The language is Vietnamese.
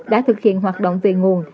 đã thực hiện hoạt động về nguồn